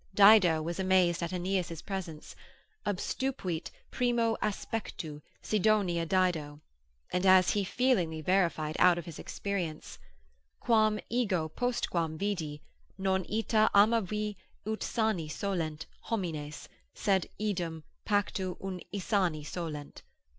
Dido was amazed at Aeneas' presence; Obstupuit primo aspectu Sidonia Dido; and as he feelingly verified out of his experience; Quam ego postquam vidi, non ita amavi ut sani solent Homines, sed eodem pacto ut insani solent.